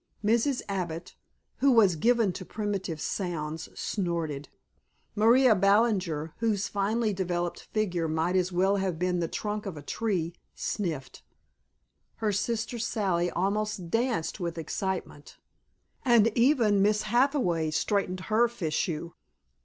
Mrs. Abbott, who was given to primitive sounds, snorted. Maria Ballinger, whose finely developed figure might as well have been the trunk of a tree, sniffed. Her sister Sally almost danced with excitement, and even Miss Hathaway straightened her fichu.